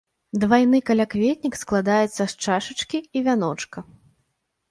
Двайны калякветнік складаецца з чашачкі і вяночка.